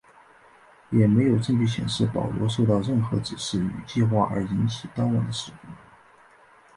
也没有证据显示保罗受到任何指示与计划而引起当晚的事故。